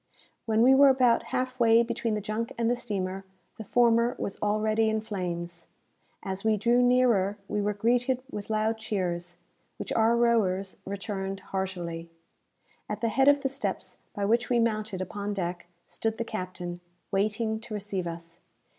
When we were about half way between the junk and the steamer, the former was already in flames. As we drew nearer, we were greeted with loud cheers, which our rowers returned heartily. At the head of the steps by which we mounted upon deck, stood the captain, waiting to receive us.